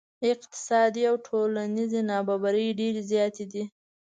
اقتصادي او ټولنیزې نا برابرۍ ډیرې زیاتې دي.